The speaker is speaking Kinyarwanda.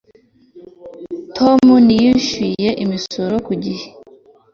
Tom ntiyishyuye imisoro ku gihe